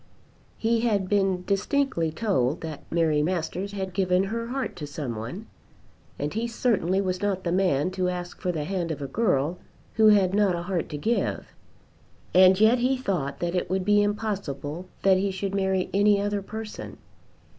He had been distinctly told that Mary Masters had given her heart to some one, and he certainly was not the man to ask for the hand of a girl who had not a heart to give. And yet he thought that it would be impossible that he should marry any other person.